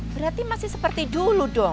berarti masih seperti dulu dong